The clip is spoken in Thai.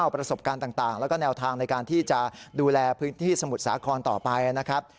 ประสบการณ์ต่างแล้วก็แนวทางในการที่จะดูแลพื้นที่สมุทรสาครต่อไปนะครับ